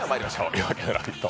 「夜明けのラヴィット！」